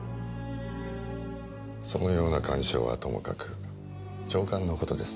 そのような感傷はともかく長官の事です。